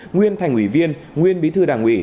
nguyên thành ủy viên nguyên bí thư đảng ủy